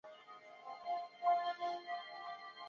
一说为齐废帝萧宝卷陵。